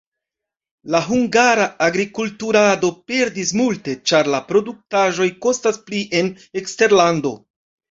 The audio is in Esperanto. La hungara agrikulturado perdis multe, ĉar la produktaĵoj kostas pli en eksterlando.